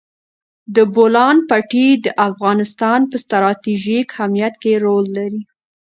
د بولان پټي د افغانستان په ستراتیژیک اهمیت کې رول لري.